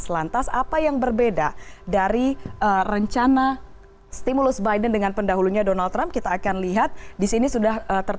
lantas apa yang berbeda dari rencana stimulus biden dengan pendahulunya donald trump kita akan lihat di sini sudah ter